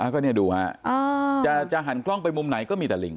ก็เนี่ยดูฮะจะหันกล้องไปมุมไหนก็มีแต่ลิง